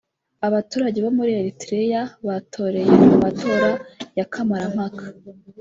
Abaturage bo muri Eritrea batoreye mu matora ya kamarampaka